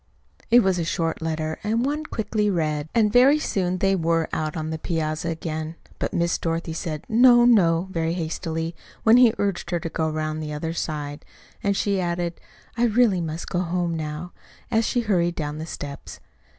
It was a short letter, and one quickly read; and very soon they were out on the piazza again. But Miss Dorothy said "No, no!" very hastily when he urged her to go around on the other side; and she added, "I really must go home now," as she hurried down the steps.